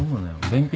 便秘？